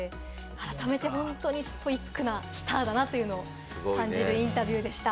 改めて本当にストイックなスターだなと感じるインタビューでした。